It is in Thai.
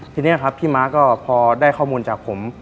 ทีนี้พี่มาร์คก็พอได้ข้อมูลจากผม